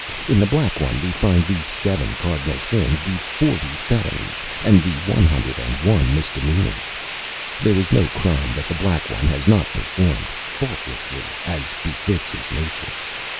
In The Black One we find the seven cardinal sins, the forty felonies, and the hundred and one misdemeanors. There is no crime that The Black One has not performed faultlessly, as befits his nature.